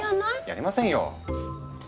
やりませんよ。